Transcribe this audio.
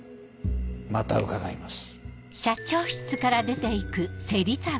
また伺います。